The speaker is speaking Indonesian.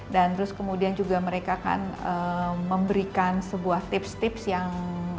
dan terus kemudian juga mereka kan memberikan sebuah tips tips yang